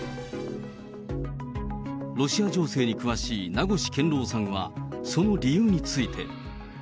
ロシア情勢に詳しい名越健郎さんは、その理由について。